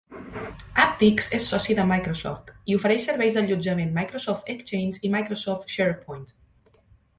Apptix és soci de Microsoft, i ofereix serveis d'allotjament Microsoft Exchange i Microsoft SharePoint.